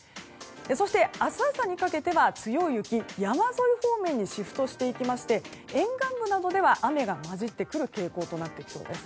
そして、明日朝にかけては強い雪、山沿い方面にシフトしていきまして沿岸部などでは雨が交じってくる傾向となっていきそうです。